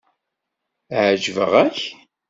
Ɛejbeɣ-ak.